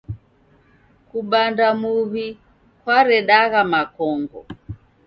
Kubanda muw'i kwaredagha makongo.